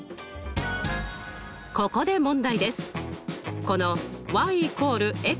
ここで問題です。